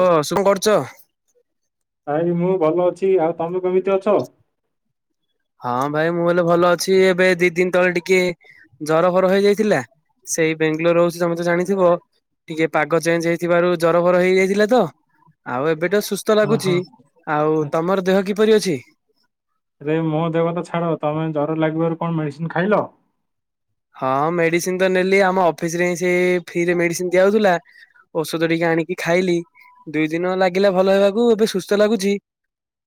ଓ ଶୁଣି ପାରୁଛ? ଭାଇ ମୁଁ ଭଲ ଅଛି, ଆଉ ତମେ କେମିତି ଅଛ? ହଁ ଭାଇ ମୁଁ ହେଲେ ଭଲ ଅଛି, ଏବେ ଦି ଦିନ ତଳେ ଟିକେ ଜର ଫର ହେଇଯାଇଥିଲା। ସେଇ ବେଙ୍ଗାଲୋର ହଉଛି ତମେ ତ ଜାଣିଥିବ ଟିକେ ପାଗ ଚେଞ୍ଜ ହେଇଥିବାରୁ ଜର ଫର ହେଇଯାଇଥିଲା ତ ଆଉ ଏବେ ତ ସୁସ୍ଥ ଲାଗୁଛି ଓହୋ ଆଉ ତମର ଦେହ କିପରି ଅଛି? ଏ ମୋ ଦେହ ତ ଛାଡ ତମେ ଜର ଲାଗିବାରୁ କଣ ମେଡିସିନ ଖାଇଲ? ହଁ ମେଡିସିନ ତ ନେଲି ଆମ ଅଫିସରେ ସେ ଫ୍ରିରେ ମେଡିସିନ ଦିଆଉଥିଲା ଔଷଧ ଟିକେ ଆଣିକି ଖାଇଲି। ଦୁଇ ଦିନ ଲାଗିଲା ଭଲ ହେବାକୁ ଏବେ ସୁସ୍ଥ ଲାଗୁଚି।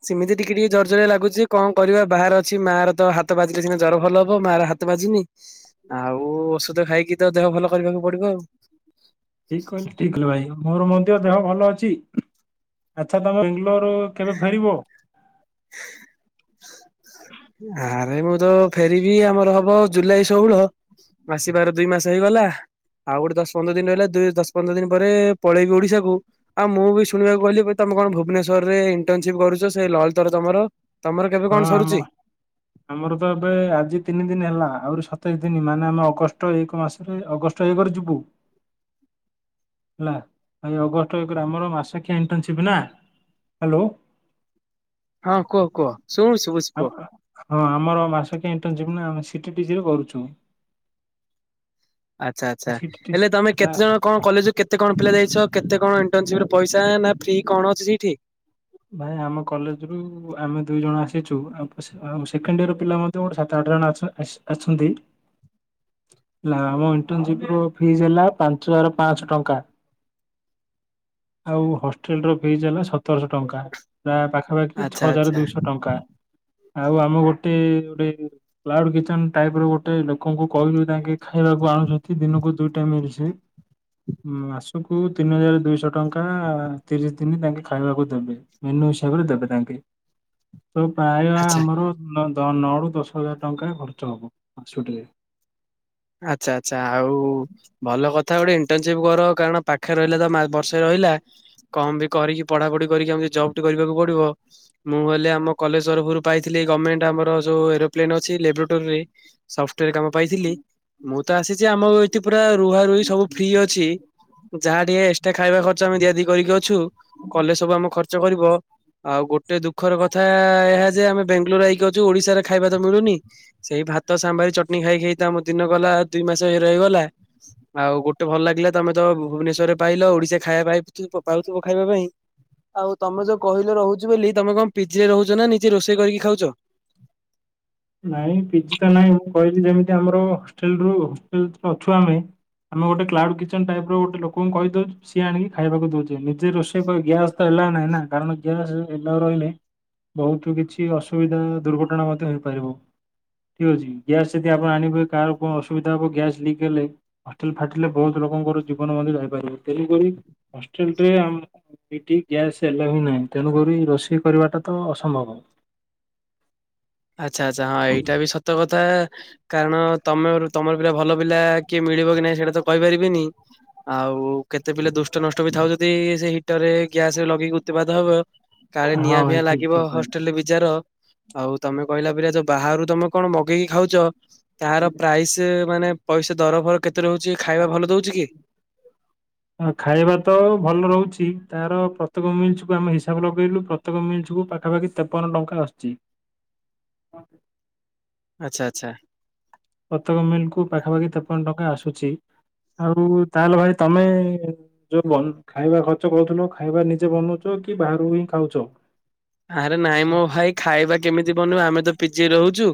ସେମିତି ଟିକେ ଟିକେ ଜର ଜରିଆ ଲାଗୁଛି କଣ କରିବା ବାହାର ଅଛି ମା ର ତ ହାତ ବାଜିଲେ ସିନା ଜର ଭଲ ହବ ମାର ହା ହାତ ବାଜିନି ଆଉ ଔଷଧ ଖାଇକି ତ ଦେହ ଭଲ କରିବାକୁ ପଡିବ ଆଉ। ଠିକ୍ କହିଲେ ଠିକ୍ କହିଲ ଭାଇ ମୋର ବନ୍ଧୁର ଦେହ ଭଲ ଅଛି। ଆଚ୍ଛା ତମେ ବ୍ୟାଙ୍ଗଲୋରୁ କେବେ ଫେରିବ? ଆରେ ମୁଁ ତ ଫେରିବି ଆମର ହବ ଜୁଲାଇ ଷୋହଳ ଆସିବାର ଦୁଇ ମାସ ହେଇଗଲା। ଆଉ ଗୋଟେ ଦଶ ପନ୍ଦର ଦିନ ରହିଲ ଦୁ ଦଶ ପନ୍ଦର ଦିନ ପରେ ପଳେଇବି ଓଡିଶାକୁ ଆଉ ମୁଁ ବି ଶୁଣିବାକୁ କହିଲି ତମେ କଣ ଭୁବେଶ୍ୱର ରେ ଇଣ୍ଟନସିପ୍ କରୁଚ ସେ ଲଳିତ ର ତମର। ତମର କେବେ ହଁ କଣ ଆମ ସରୁଚି? ଆମର ତ ଏବେ ଆଜି ତିନି ଦିନ ହେଲା ଆହୁରି ସତେଇଶ ଦିନ ମାନେ ଆମେ ଅଗଷ୍ଟ ଏକ ମାସରେ ଅକ୍ ଅଗଷ୍ଟ ଏକରେ ଯିବୁ। ହେଲା ଅଗଷ୍ଟ ଏକରେ ଆମର ମାସିଖିଆ ଇଣ୍ଟନସିପ ନା। ହାଲୋ।। ହଁ କୁହ କୁହ। ଶୁଣୁ ଶୁଭୁଛି କୁହ ହଁ ଆମର ମାସକିଆ ଇଣ୍ଟନସିପନା ଟିକେ ଟିଜିରେ କରୁଛୁ। ଆଚ୍ଛା ଆଚ୍ଛା ସିଟିଟିସି ହେଲେ ତମେ ତା କେତେ ଜଣ କଣ କଲେଜ କେତେ କଣ ପିଲା ଯାଇଛ କେତେ କଣ [unintelligible] ପଇସା ନା ଫ୍ରି କଣ ଅଛି ସେଇଠି। ଭାଇ ତେଛୁ ଆଉ ସେ ଆଉ ସେଖେଣ୍ଡଇୟର ପିଲା ମଧ୍ୟ୍ୟ ସାତ ଆଠ ଜଣ ଅଛ ଅ-ଅଛନ୍ତି। ଲା ଆମ ଇଣ୍ଟନସିପ ରୁ ଫିସ୍ ହେଲା ପାଞ୍ଚ ହଜାର ପାଆଁଶ ଟଙ୍କା। ଆଉ ହଷ୍ଟେଲ ର ଫିସ୍ ହେଲା ସତରଶହ ଟଙ୍କା। ତା ପାଖାପାଖି ଛଅ ଆଚ୍ଛା ହଜାର ଆଚ୍ଛା ଦୁଇଶ ଟଙ୍କା। ଆଉ ଆମେ ଗୋଟେ ଗୋଟେ କ୍ଲାଉଡ କିଚେନ ଟାଇପର ଗୋଟେ ଲୋକଙ୍କୁ କହିଲୁ ତାଙ୍କେ ଖାଇବାକୁ ଆଣୁଚନ୍ତି ଦିନକୁ ଦୁଇଟା ମେଡିସନ ମାସକୁ ତିନି ହଜାର ଦୁଇଶହ ଟଙ୍କା ଆ ତିରିଶ ଦିନ ତାଙ୍କେ ଖାଇବାକୁ ଦେବେ ମେନୁ ହିସାବରେ ଦେବେ ତାଙ୍କେ ତ ପ୍ରାୟ ଆଚ୍ଛା ଆମର ନ ତ ନଅରୁ ଦଶ ହଜାର ଟଙ୍କାରେ ଖର୍ଚ୍ଚ ହେବ ମାସୁଟିରେ । ଆଚ୍ଛା ଆଛା ଆଉ ଭଲ କଥା ଗୋଟେ ଇଣ୍ଟନସିପ କର କାରଣ ପାଖରେ ରହିଲେତ ମାଲ ବର୍ଷ ରହି କହିଲା କମ୍ ବି କରିକି ପଢ଼ାପଢ଼ି କରିକି ଏମତି ଜବ୍ ଟି କରିବାକୁ ପଡ଼ିବ ମୁଁ କହିଲି ଆମ କଲେଜ ତରଫରୁ ପାଇଥିଲି ଗମେଣ୍ଟ ଆମର ଯୋଉ ଏରୋପ୍ଲେନ୍ ଅଛି ଲେବ୍ରୋଟନରେ ସ [unintelligible] କାମ ପାଇଥିଲି ମୁଁ ତ ଆସିଚି ଆମ ଏଠି ରୁହା ରୁହି ସବୁ ଫ୍ରି ଅଛି ଯାହା ଟିକେ ଏକ୍ସଟ୍ରା ଖାଇବା ଖର୍ଚ୍ଚ ଆମେ ଦିଆଦିଇ କରିକି ଅଛୁ। କଲେଜ ସବୁ ଆମ ଖର୍ଚ୍ଚ କରିବ। ଆଉ ଗୋଟେ ଦୁଃଖର କଥା ଏହା ଯେ ଆମେ ବେଙ୍ଗାଲୋର ଆଇକି ଅଛୁ ଓଡିଶାରେ ଖାଇବା ତ ମିଳୁନି ସେଇ ଭାତ ସାମ୍ବାର ଚଟଣି ଖାଇ ଖାଇତ ଆମ ଦିନ ଗଲା ଦୁଇ ମାସ ରହିଗଲା ଆଉ ଗୋଟେ ଭଲ ଲାଗିଲା ତମେ ତ ଭୁବନେଶ୍ୱରରେ ପାଇଲ ଓଡିଶା ଖା ଖାଇବା ପାଇ [unintelligible] ପାଉଥିବ ଖାଇବା ପାଇଁ ଆଉ ତମେ ଯୋଉ କହିଲେ ରହୁଚି ବୋଲି ତମେ କଣ ପିଜିରେ ରହୁଛ ନା ନିଜେ ରୋଷେଇ କରିକି ଖାଉଛ? ନାଇଁ ପିଜିତ ନାଇଁ ମୁଁ କହିଲି ଯେମିତି ଆମର ହଷ୍ଟେଲରୁୁ ହେଷ୍ଟେଲ ଛୁଆ ଅଛୁ ଆମେ ଆମେ ଗୋଟେ କ୍ଲାଉଡ୍ କିଚେନ ଟାଇପର ଗୋଟେ ଲୋକଙ୍କୁ କହି ଦେଉଛୁ ସିଏ ଆଣିକି ଖାଇବାକୁ ଦଉଚି ନିଜେ ରୋଷେଇ କରି କି ଗ୍ୟାସ୍ ତ ଅ ନାଁ ନାଁ ନାଁ କାରଣ ଗ୍ୟାସ୍ ନରହିଲେ ବହୁତ କିଛି ଅସୁବିଧା ଦୁର୍ଘଟଣା ମଧ୍ୟ ହେ ପାରିବୁ। ଠିକ ଅଛି ଗ୍ୟାସ୍ ଯଦି ଆପଣ ଆଣିବେ କାହାର କଣ ଅସୁବିଧା ହବ ଗ୍ୟାସ ଲିକ୍ ହେଲେ ହଷ୍ଟେଲ ଫାଟିଲେ ବହୁତ ଲୋ ଲୋକଙ୍କର ଜୀବନ ମଧ୍ୟ ଯାଇପାରିବ ତେଣୁକରି ହଷ୍ଟେଲରେ ଆମ ଏଠି ଗ୍ୟାସ୍ ଆଲାଓ ନାହିଁ। ତେଣୁକରି ରୋଷେଇ କରିବାଟା ତ ଅସମ୍ଭବ। ଆଛା ଆଛା ହଁ ଏଇଟା ବି ସତ କଥା କାରଣ ତମ ତମର ପିଲା ଭଲ ପିଲା କିଏ ମିଳିବ କି ନାଇଁ ସେଇଟା ତ କହିପାରିବିନି ଆଉ କେତେ ପିଲା ଦୁଷ୍ଟ ନଷ୍ଟ ବି ଥାଉ ଯଦି ସେ ହିଟର ରେ ଗ୍ୟାସ ଲଗେଇକି ଉତ୍ତିବାଦ ହବ। କାଳେ ହଁ ନିଆଁ ଭାଇ ଫିଆ ଠିକ୍ ଲାଗିବ ଠିକ୍ କହିଲେ। ହଷ୍ଟେଲରେ ବିଜାର ଆଉ। ତମେ କହିଲା ପରେିଲରା ତ ବାହାରୁ ତମେ କଣ ମଗେଇକି ଖାଉଛ? ତାର ପ୍ରାଇସ୍ ମାନେ ପଇସା ଦର ଫର କେତେ ରହୁଛି ଖାଇବା ଭଲ ଦଉଛି କି? ଆ ଖାଇବା ତ ଭଲ ରହୁଛି ତାର ପ୍ରତ୍ୟେକ ମିଲ୍ସକୁୁ ଆମେ ହିସାବ ଲଗେଇଲୁ ପ୍ରତ୍ୟେକ ମିଲ୍ସ ଏ ପାଖାପାଖି ତେପନ ଟଙ୍କା ଆସଛି। [inaudible] [inaudible] ଆଚ୍ଛା ଆଚ୍ଛା। ପ୍ରତ୍ୟେକ ମିଲ୍କୁ ପାଖାପାଖି ତେପନ ଟଙ୍କା ଆସୁଛି। ଆଉ ତାହେଲେ ଭାଇ ତମେ ଯୋଉ ଖାଇବା ଖର୍ଚ୍ଚ କରୁଥିଲ, ଖାଇବା ନିଜେ ବନଉଛ କି ବାହ ହାରାରୁ ହିଁ ଖାଉଛ। ଆରେ ନାଇଁ ମୋ ଭାଇ ଖାଇବା କେମିତି ବନିବ ଆମେ ତ ପିଜିଇ ରହୁଛୁ।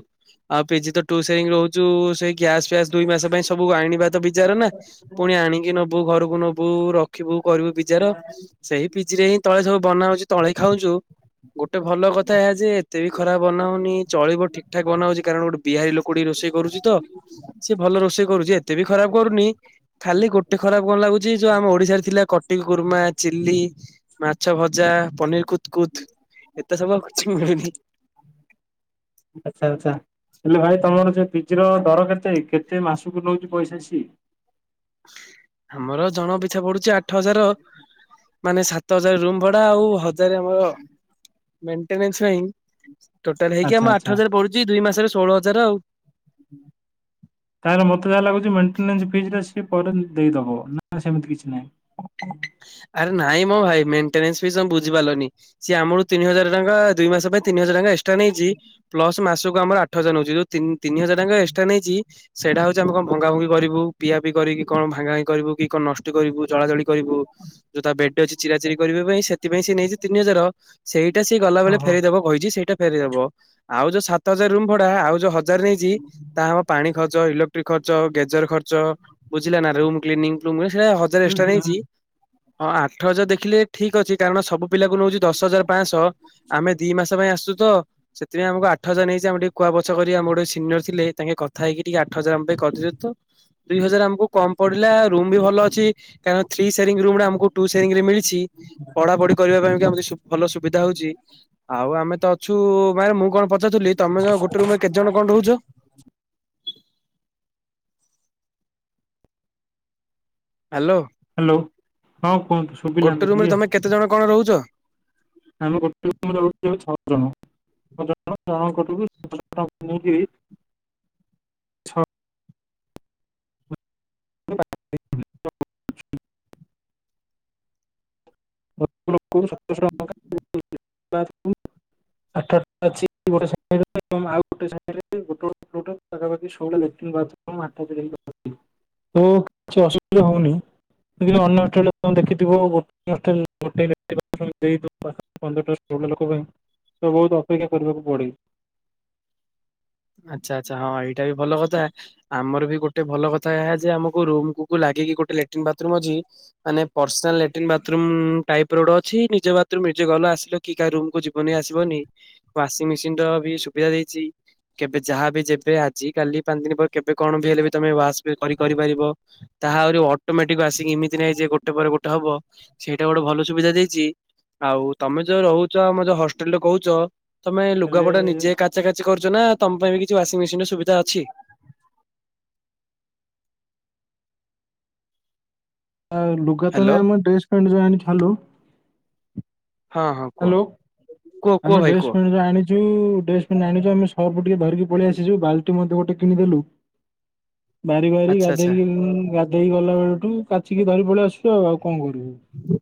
ଆଉ ପିଜି ତ ଟୁ ସେରି ରହୁଛୁ ସେଇ ଗ୍ୟାସ ଫ୍ୟାସ ଦୁଇ ମାସ ପାଇଁ ସବୁ ଆଣିବା ତ ବିଚାର ନା ପୁଣି ଆଣିକି ନବୁ ଘରକୁ ବୁ ନବୁ ରଖିବୁ କରିବୁ ପିଜ ର ସେଇ ପିଜି ରେ ହିଁ ତଳେ ସବୁ ବନା ହଉଚଛି ତଳେ ଖାଉଛୁ। ଗୋଟେ ଭଲ କଥା ଏହା ଯେ ଏତେ ବି ଖରାପ ବନାଉନି ଚଳିବ ଠିକ ଠାକ ବନାଉଛି କାରଣ ଗୋଟେ ବିହାରୀ ଲୋକ କୋଡି ରୋଷେଇ କରୁଛି ତ ସିଏ ଭଲ ରୋଷେଇ କରୁଛି ଏତେ ବି ଖରାପ କରୁନି ଖାଲି ଗୋଟେ ଖରାପ କଣ ଲାଗୁଛି ଯୋଉ ଆମ ଓଡିଶାରେ ଥିଲା କଟି ଗୁର୍ମା ଚିଲି ମାଛ ଭଜା ପନିର କୁ କଚ ଏତେ ସମୟଚ ମିନି ପିଜି ର ଦର କେତେ କେତେ ମାସକୁ ନଉଛି ପଇସା ସ ଆମର ଜଣ ପିଛା ପଡୁଛି ଆଠ ହଜାର ମାନେ ସାତ ହଜାର ରୁମ ଭଡା ଆଉ ହଜାର ଆମର ମେଣ୍ଟେନ୍ ନାଇଁ ଟୋଟାଲ ହେଇକି ଆଚ୍ଛା ଆମ ଆଠ ଆଚ୍ଛା ହଜାର ପଡୁଛି ଦୁଇ ମାସରେ ଷୋହଳ ହଜାର ଆଉ। ତାହେଲେ ମତେ ଯାହା ଲାଗୁଛି ମେଣ୍ ସେ ପରେ ଦେଇଦବ ନା ସେମିତି କିଛି ନାହିଁ ବି ପାରିଲି ସି ଆମର ତିି ହଙ୍କ ଦ ମାସ ପାଇଁ ତିନି ହାର ଏ ପ ମାସକୁ ଆମର ଆଠ ହଜାର ନଉଛି ଯଉ ତିନି ହଜାର ଟଙ୍କା ଏକ୍ସଟ୍ରା ନେଇଛି। ସେଇଟା ହଉଛି ଆମେ କଣ ଭଙ୍ଗା ଭଙ୍ଗି କରିବୁ ପିଆ ପିଇ କରିକି କଣ ଭା ଭାି କରିବୁ କି କଣ ନଷ୍ଟ କରିବୁ ଜଳାଜଳି କରିବୁ ଯୋଉ ତା ବେଡ ଅଛି ଚିରା ଚିରି କରିବା ପାଇଁ ସେଥିପାଇଁ ସେ ନେଇଛି ତିନି ହଜାର ସେଇ ସେଇଟା ସେ ହଁ ଗଲାବେଳେ ହଁ ଫେରିଦବ କହିଛି, ସେଇଟା ଫେରିଦବ ଆଉ ଯୋଉ ସାତ ହଜାର ରୁମ ଭଡା ଆଉ ଯୋଉ ନଜାର ନେଇଛି ତା ଆମ ପାଣି ଖଚ ଖର୍ଚେଜର ଖର୍ଚ୍ଚ ବୁଝିଲ ରଟା ହଜାର ହୁଁ ଏକ୍ସଟ୍ରା ହୁଁ ହୁଁ ନେଇଛି। ହଁ ଆଠ ହଜାର ଦେଖିଲେ ଠିକ ଅଛି, କାରଣ ସବୁ ପିଲାକୁ ନେଉଛି ଦଶ ହଜାର ପାଞ୍ଚଶହ ଆମେ ଦି ମାସ ପାଇଁ ଆସୁ ତ ସେଥିାଇଁ ଆମକୁ ଆଠ ହଜାର ନେଇଛି ଆମେ ଟିକେ କୁଆ ବଛ କରି ଆମର ଗ ସିନିୟର ଥିଲେ ତାଙ୍କେ କଥା ହେଇକି ଟିକେ ଆଠ ହଜାର ଆମ ପାଇଁ କରିଦିଅ ତ ଦୁଇ ହଜାର ଆମକୁ କମ ପଡିଲା ରୁମ ବି ଭଲ ଅଛି କାରଣ ଥ୍ରୀ ସେଙ୍ଗ ରୁ ରେ ଆମକୁ ସେଙ୍ଗରେ ମିଳିଛି ପଢାପଢି କରିବା ପାଇଁମ ଭଲ ସୁବିଧା ହଉଛି ଆଉ ଆମେ ତ ଅଛୁ ମାଇ ମୁଁ କଣ ପଚାରୁଥିଲି ତମେ ଗୋଟେ ରୁମରେ କେତେ ଜଣ କଣ ରହୁଛ? ହ୍ୟାଲୋ ହ୍ୟାଲୋ ହଁ କୁହନ୍ତୁ ଶୁଭିଲା ତ ଗୋଟେ ଟିକେ ରୁମରେ ତମେ କେତେ ଜଣ କଣ ରହୁଛ? ଆମେ ଗେ [unintelligible] ନେଇ [unintelligible] [inaudible] [unintelligible] [unintelligible] ଆଠ ଅଛି ଗୋଟେ ସମରେ ଆଉ ଗୋଟେ ସମ ଗୋଟେ [unintelligible] ପାଖାଖି ଷୋଳ ଲଟ୍ର ବା [unintelligible] ତ କିଛି ଅସୁବିଧା ହଉନି ଅନ୍ୟ ହଷ୍ଟେଲରେ ଦେଖିଥିବ ଗୋ ହଲ ଗୋଟାଏ ଲେ-ଖି ପାରୁଥିବା [unintelligible] ଦେଇଦୋବୁ ପାଖାପାଖି ପନ୍ଦରଟା ସ୍କୁଲର ଲୋକ ପାଇଁ। ତ ବୋହୁତ ଅପେକ୍ଷା କରିବାକୁ ପଡେ। [inaudible] ଆଚ୍ଛା ଆଚ୍ଛା ହଁ ଏଇଟା ବି ଭଲ କଥା ଆମର ବି ଗୋଟେ ଭଲ କଥା ଏହା ଯେ ଆମକୁ ରୁମକୁ-କୁ ଲାଗି ଗିକି ଗୋଟେ ଲାଟିନ୍ ବାଥରୁମ୍ ଅଛି ମାନେ ପର୍ସନାଲ୍ ଲାଟିନ୍ ବାଥରୁମ୍ ଟାଇପର ଗୋଟେ ଅଛି ନିଜ ବାଥରୁମ୍ ନିଜେ ଗଲ ଆସିଲ କେହି କାହା ରୁମକୁୁ ଯିବନି ଆସିବନି ୱାସିଂ ମେସିନର ବି ସୁବିଧା ଦେଇଚି। କେବେ ଯାହା ବି ଯେବେ ଆଜି କାଲି ପାଞ୍ଚ ଦିନ ପରେ କେବେ କଣ ବି ହେଲେ ବି ତମେ ୱାସ୍ ବି କରି କରିପାରିବ ତା ଆହୁରି ଅଟୋମେଟିକ୍ ଆସିକି ଏମିତି ନାହିଁ ଯେ ଗୋଟେ ପରେ ଗୋଟେ ହବ ସେଇଟା ଗୋଟେ ଭଲ ସୁବିଧା ଦେଇଚି। ଆଉ ତମେ ଯୋଉ ରହୁଚ ଆମ ଯୋଉ ହଷ୍ଟେଲଟେ କୋହୁଚ ତମେ ହେଲେ ଲୁଗାପଟା ନିଜେ କାଚା କାଚି କରୁଚ ନା ତମ ପାଇଁ ବି କିଛି ୱାସିଂ ମେସିନର ସୁବିଧା ଅଛି? ଆଉ ଲୁଗା ତ ହ୍ୟାଲୋ ନାଇଁ ଆମ ଡ୍ରେସ ପେଣ୍ଟ୍ ଯାହାହେଲେ ଛାଲୁ। ହଁ ହଁ କୁହ ହାଲୋ କୁହ କୁହ ଆମେ ଭାଇ ଡ୍ରେସ୍ କୁହ ପେଣ୍ଟ ଯୋଉ ଆଣି ଯୋଉ ଡ୍ରେସ ପେଣ୍ଟ ଆଣିଚୁ ଆମେ ସର୍ଫ ଟିକେ ଧରିକି ପଳେଆସିଚୁ ବାଲଟି ମଧ୍ୟ ଗୋଟେ କିଣିଦେଲୁ ବାରି ବାରି ଆଚ୍ଛା ଆଚ୍ଛା। ଗାଧେଇକି ଗାଧେଇ ଗଲା ବେଳଠୁ କାଚିକି ଧରି ପଳେ ଆସଚୁ ଆଉ ଆଉ କଣ କରିବୁ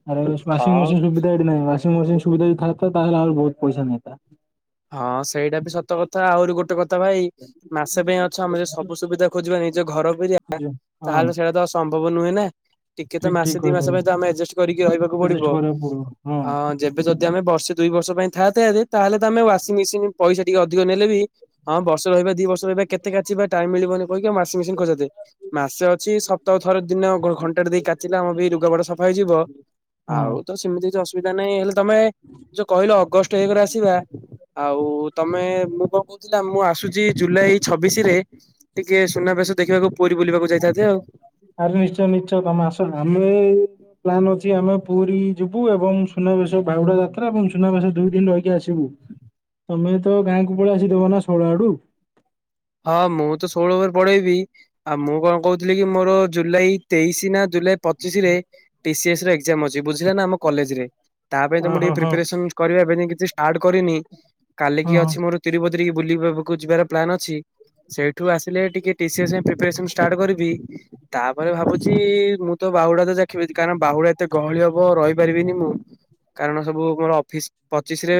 ଆରେ ୱାସିଙ୍ଗ ହଁ। ମେସିନ୍ ସୁବିଧା ଏଠି ନାଇଁ ୱାସିଙ୍ଗ ମେସିନ୍ ସୁ ସୁବିଧା ଯଦି ଥାନ୍ତା ତାହଲେ ଆଉ ବୋହୁତ ପଇସା ନିଅନ୍ତା। ହଁ ସେଇଟା ବି ସତ କଥା ଆହୁରି ଗୋଟେ କ ତ ଭାଇ ମାସେ ପାଇଁ ଅଛ ଆମେ ଯଦି ସବୁ ସୁବିଧା ଖୋଜିବା ନିଜ ଘର ପରିଆ ଯେ ହଁ ତାହଲେ ସେଇଟା ତ ଆଉ ସମ୍ଭବ ନୁହେଁ ନା। ଟିକେ ତ ଠିକ ମାସେ ଠିକ କହିଲେ ଦିମାସେ ପାଇଁ ତ ଭାଇ ଆମେ ଆଡଜଷ୍ଟ କରିକି ରହିବାକୁ ପଡିବ ରେଜିଷ୍ଟ କରିବାକୁ ପଡିବ ହଁ ଯେବେ ଯ ଯଦି ଆମେ ବର୍ଷେ ଦୁଇ ବର୍ଷ ପାଇଁ ଥାନ୍ତେ ଯଦି ତାହେଲେ ତ ଆମେ ୱାସିଂ ମେସିନ୍ ପଇସା ଟିକେ ଅଧିକ ନେଲେ ବି ହଁ ବର୍ଷେ ରହିବା ଦିବର୍ଷ ରହିବା କେତେ କାଚିବା ଟାଇମ୍ ମିଳିବନି କହିିକି ଆମ ୱାସିଂ ମେସିନ୍ ଖୋଜନ୍ତି? ମାସେ ଅଛି ସପ୍ତାହକୁ ଥରେ ଦିନ ଘ-ଘଣ୍ଟାଟେ ଦେଇ କାଚିଲେ ଆମ ବି ଲୁଗା ପଟା ସଫା ହେଇଯିବ। ହଁ ଆଉ ତ ସେମିତି କିଛି ଅସୁ ତାନେ ହେଲେ ତମେ ଯୋଉ କହିଲ ଅଗଷ୍ଟ ଏକେରେ ଆସିବା ଆଉ ତ ମେ ମୁଁ କଣ କହୁଥୁଲା ମୁଁ ଆସୁଚି ଜୁଲାଇ ଛବିଶିରେ ଟିକେ ସୁନାବେଶ ଦେଖିବାକୁ ପୁରୀ ବୁଲିବାକୁ ଯାଇଥାନ୍ତେ ଆଉ। ଆରେ ନିଶ୍ଚୟ ନିଶ୍ଚୟ ତମେ ଆସ ଆମେ ପ୍ଲାନ୍ ଅଛି ଆମ ପୁରୀ ଯିବୁ ଏବଂ ସୁନାବେଶ ବାହୁଡା ଯାତ୍ରା ଏବଂ ସୁନାବେଶ ଦୁଇ ଦିନ ରହିକି ଆସିବୁ। ତମେ ତ ଗାଁକୁ ପଳେଇ ଆସିବ ଦୋଳ ନା ଶୋଳ ଆଡୁ। ହଁ ମୁଁ ତ ଷୋହଳ ଆଡୁ ପଢେଇବି ଆଉ ମୁଁ କଣ କହୁଥୁଲି କି ମୋର ଜୁଲାଇ ତେଇଶ୍ ନା ଜୁଲାଇ ପଚିଶିରେ ଟିସିଏସର ଏଗଜାମ୍ ଅଛି ବୁଝିଲେନା ଆମ କଲେଜରେ। ତାପାଇଁ ତ ହଁ ମୁଁ ହଁ ଟିକେ ହଁ ପ୍ରିପାରେସନ୍ କରିବା ଏବେ ଯାଏଁ କିଛି ଷ୍ଟାର୍ଟ୍ କରିନି। କାଲି ହଁ କି ହଁ ଅଛି ମୋର ତିରୁପତିରି କି ବୁଲିବାକୁ ଯିବାର ପ୍ଲାନ୍ ଅଛି। ସେଇଠୁ ଆସିଲେ ଟିକେ ଟିସିଏସ୍ ପାଇଁ ପ୍ରିପାରେସନ୍ ଷ୍ଟାର୍ଟ୍ କରିବି ତାପରେ ଭାବୁ ଛି ମୁଁ ତ ବାହୁଡା ତ ଦେଖିବିନି କାରଣ ବାହୁଡା ଏତେ ଗହଳି ହବ ରହିପାରିବିନି ମୁଁ। କାରଣ ସବୁ ମୋର ଅଫିସ ପଚିଶରେ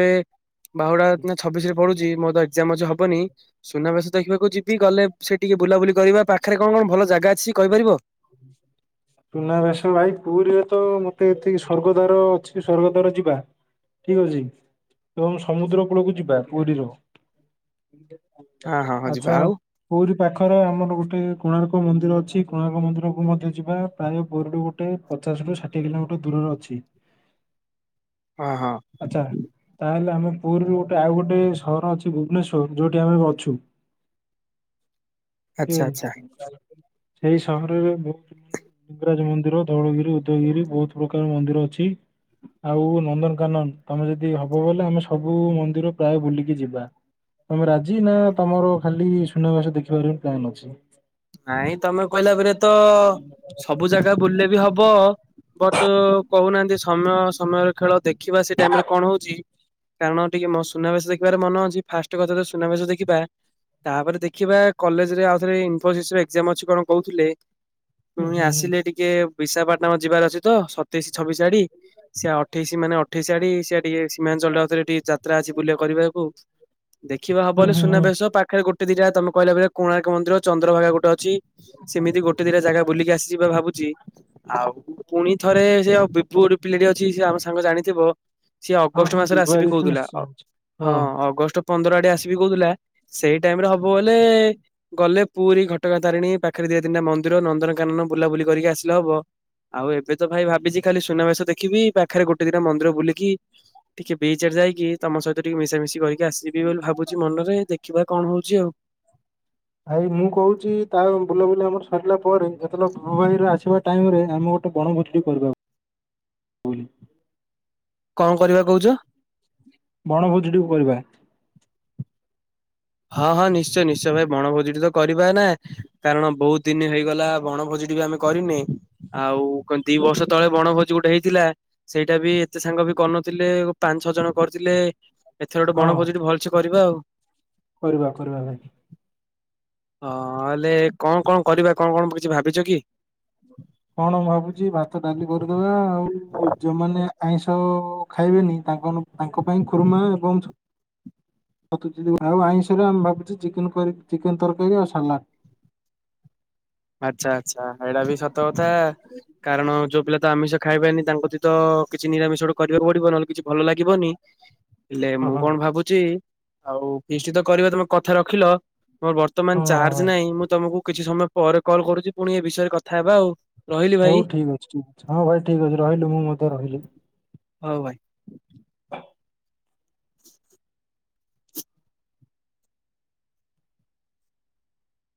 ବାହୁଡା ଛବିଶିରେ ପଢୁଚି ମୋର ତ ଏଗଜାମ ଅଛି ହବନି ସୁନାବେଶ ଦେଖିବାକୁ ଯିବି ଗଲେ ସେ ଟିକେ ବୁଲାବୁଲି କରିବା ପାଖରେ କଣ କଣ ଭଲ ଜାଗା ଅଛି କହିପାରିବ? ହ [inaudible] ସୁନାବେଶ ଭାଇ ପୁରୀରେ ତ ମତେ ଏତିକି ସ୍ୱର୍ଗଦ୍ୱାର ଅଛି ସ୍ୱର୍ଗଦ୍ୱାର ଯିବା। ଠିକଅଛି ଏବଂ ସମୁଦ୍ର କୂଳକୁ ଯିବା ପୁରୀର। ହଁ ହଁ ହଁ ଯିବା ଆଚ୍ଛା ଆଉ ପୁରୀ ପାଖର ଆମର ଗୋଟେ କୋଣାର୍କ ମନ୍ଦିର ଅଛି କୋଣାର୍କ ମନ୍ଦିର କୁ ମଧ୍ୟ ଯିବା ପ୍ରାୟ ପୋରୀରୁୁ ଗୋଟେ ପଚାଶରୁ ଷାଠିଏ କିଲୋମିଟର ଦୂରରେ ଅଛି। ହଁ ହଁ। ଆମ ପୁରୀରୁ ଗୋଟେ ଆଉ ଗୋଟେ ସହର ଅଛି ଭୁବନେଶ୍ଵର ଯୋଉଠି ଆମେ ଅଛୁ। [inaudible] ଏ ଆଚ୍ଛା। ସେଇ ସହରରେ ମୁଁ ଲିଙ୍ଗରାଜ ମନ୍ଦିର, ଧଉଳଗିରି, ଉଦୟଗିରି, ବୋହୁତ ପ୍ରକାର ମନ୍ଦିର ଅଛି। ଆଉ ନନ୍ଦନକାନନ ତମେ ଯଦି ହବ ବଲେ ଆମେ ସବୁ ମନ୍ଦିର ପ୍ରାୟ ବୁଲିକି ଯିବା। ତମେ ରାଜି ନା ତମର ଖାଲି ସୁନାବେଶ ଦେଖିବାର ପ୍ଲାନ ଅଛି। ନାଇଁ ତମେ କହିଲା ପରେ ତ ସବୁ ଜାଗା ବୁଲିଲେ ବି ହ ହବ ବଟ କହୁନାହାନ୍ତି ସମୟ ସମୟର ଖେଳ ଦେଖିବା ସେ ଟାଇମରେ କଣ ହଉଚି କାରଣ ଟିକେ ମୋ ସୁନାବେଶ ଦେଖିବାର ମନ ଅଛି। ଫାଷ୍ଟ କଥା ସୁନାବେଶ ଦେଖିବା ତାପରେ ଦେଖିବା କଲେଜରେ ଆଉ ଥରେ ଏକ୍ଜାମ ଅଛି କଣ କହୁଥିଲେ? ହୁଁ ପୁଣି ହୁଁ ହୁଁ ଆସିଲେ ଟିକେ ବିଶାଖପାଟଣା ଆମ ଯିବାର ଅଛି ତ ସତେଇଶି ଛବିଶ ଆଡି, ସିଏ ଅଠେଇଶି ମାନେ ଅଠେଇଶି ଆଡି ସିଏ ଟିକେ ସୀମାଞ୍ଚଳରେ ଟିକେ ଯାତ୍ରା ଅଛି ବୁଲିବା କରିବାକୁ। ଦେଖିବା ହବ ହୁଁ ହେଲେ ହୁଁ ହୁଁ ସୁନାବେେଶ ପାଖରେ ଗୋଟେ ଦିଟା ତମେ କହିଲାେ କୋଣାର୍କ ଚନ୍ଦ୍ରଭାଗା ଗୋଟେ ଅ ସେମିତି ଗୋଟେ ଦିଇଟା ଜାଗା ବୁଲିକି ଆସିଯବା ଭାବୁଛି। ଆଉ ପୁଣି ଥରେ ଯେ ବିିବୁ ପିଲାଟି ଅଛି ସେ ଆମ ସାଙ୍ଗ ଜାଣିଥିବ ସିଏ ହଁ ଅଗଷ୍ଟ ହଁ ମାସରେ ଆସିବି ବିବାହିତ କହୁଥିଲା। ନିଶ୍ଚୟ ଅଛି। ହଁ ଅଗଷ୍ଟ ପନ୍ଦର ଆଡେ ଆସିବି କହୁଥିଲା। ସେଇ ଟାଇମରେ ହବ ବଲେ ଗଲେ ପୁରୀ ଘଟଗାଁ ତାରିଣୀ ପାଖରେ ଦିଇ ତିନିଟା ମନ୍ଦିର ନନ୍ଦନକାନନ ବୁଲାବୁଲି କରିକି ଆସିଲେ ହବ। ଆଉ ଏବେ ତ ଭାଇ ଭାବିଛି ଖାଲି ସୁନାବେଶ ଦେଖିବି ପାଖରେ ଗୋଟେ ଦିଟା ମନ୍ଦିର ବୁଲିକି ଟିକେ ବିଚ ଆଡ଼େ ଯାଇକି ତମ ସହିତ ଟିକ ମିଶାମିଶି କରିକି ଆସିବି ବୋଲି ଭାବୁଛି ମନରେ ଦେଖିବା କଣ ହଉଛି ଆଉ। ଭାଇ ମୁଁ କହୁଛି ତା ବୁଲାବୁଲି ଆମର ସରିଲା ପରେ ଯେତେବେଳେ ଫୁଲବାଣି ରୁ ଆସିବା ଟାଇମ ରେ ଆମେ ଗୋଟେ ବଣ। [unintelligible] [inaudible] [unintelligible] କଣ କରିବା କହୁଛ? ବଣଭୋଜି ଟେ କରିବା। ହଁ ହଁ ନିଶ୍ଚୟ ନିଶ୍ଚୟ ଭାଇ ବଣଭୋଜି ତ କରିବା ନା। କାରଣ ବହୁତ ଦିନ ହେଇଗଲା ବଣଭୋଜି ସେଠି ବି ଆମେ କରିନେ। ଆଉ ଦି ବର୍ଷ ତଳେ ବଣଭୋଜି ଗୋଟେ ହେଇଥିଲା। ସେଇଟା ବି ଏତେ ସାଙ୍ଗ ବି କରିନଥିଲେ ପାଞ୍ଚ ଛଅ ଜଣ କରିଥିଲେ। ଏଥର ଗୋଟେ ହଁ ବଣ ଭୋଜି ଭଲସେ କରିବା ଆଉ। କରିବା କରିବା ଭାଇ। ହଁ ହେଲେ କଣ କଣ କରିବା କଣ କଣ କିଛି ଭାବିଛ କି? କଣ ମୁଁ ଭାବୁଛି ଭାତ ଡାଲି କରିଦବା। ଆଉ ଯୋଉମାନେ ଆଇଁଷ ଖାଇବେନି ତାଙ୍କ ପାଇଁ ଖୁରୁମା ଏବଂ [inaudible] ଆଉ ଆଇଁଷରେ ଆମେ ଭାବୁଚେ ଚିକେନ ତରକାରୀ ଆଉ ସାଲାଡ। ଆଚ୍ଛା ଆଚ୍ଛା ଏଇଟା ବି ସତ କଥା କାରଣ ଯୋଉ ପିଲା ତ ଆମିଷ ଖାଇବେନି ତାଙ୍କ ପାଇଁ ତ କିଛି ନିରାମିଷ ଗୋଡେ କରିବାକୁ ପଡିବ ନହେଲେ କିଛି ଭଲ ଲାଗିବନି। ହେଲେ ହଁ ମୁଁ ହଁ କଣ ଭାବୁଚି ଆଉ ଫିଷ୍ଟ୍ ତ କରିବା ତମେ କଥା ରଖିଲ ମୋର ବର୍ତ୍ତମାନ ହଁ ହଁ ଚାର୍ଜ ଭାଇ ନାହିଁ ମୁଁ ତମକୁ କିଛି ସମୟ ପରେ କଲ୍ କରୁଛି ପୁଣି ଏ ବିଷୟରେ କଥା ହେବା ଆଉ। ରହିଲି ଭାଇ ହଉ ଠିକ ଅଛି ଠିକ ଅଛି ହଁ ଭାଇ ଠିକ ଅଛି ରହିଲୁ ମୁଁ ମଧ୍ୟେ ରହିଲି। ହଉ ଭାଇ। [inaudible]